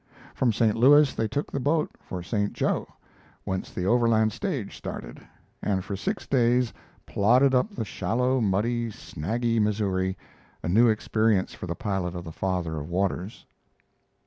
From St. Louis they took the boat for St. Jo, whence the Overland stage started, and for six days "plodded" up the shallow, muddy, snaggy Missouri, a new experience for the pilot of the Father of Waters.